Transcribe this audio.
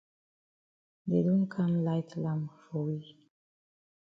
Dey don kam light lamp for we.